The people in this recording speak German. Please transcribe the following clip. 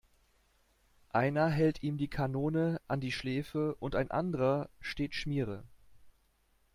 Einer hält ihm die Kanone an die Schläfe und ein anderer steht Schmiere.